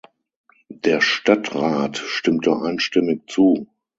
Der Stadtrat stimmte einstimmig zu.